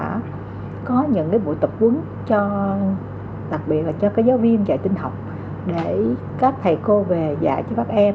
nhận những cái buổi tập quấn cho đặc biệt là cho các giáo viên dạy tinh học để các thầy cô về dạy cho các em